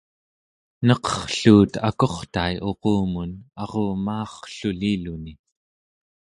neqerrluut akurtai uqumun arumaarrluliluni